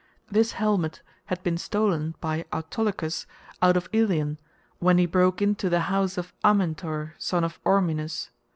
This helmet had been stolen by Autolycus out of Eleon when he broke into the house of Amyntor son of Ormenus.